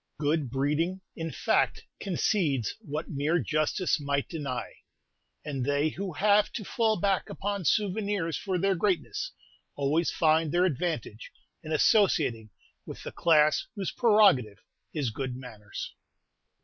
Good breeding, in fact, concedes what mere justice might deny; and they who have to fall back upon "souvenirs" for their greatness, always find their advantage in associating with the class whose prerogative is good manners.